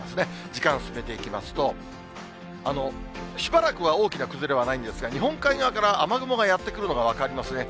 時間進めていきますと、しばらくは大きな崩れはないんですが、日本海側から雨雲がやって来るのが分かりますね。